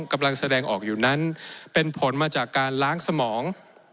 กำลังแสดงออกอยู่นั้นเป็นผลมาจากการล้างสมอง